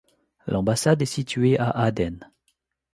L'ambassade est située à Aden.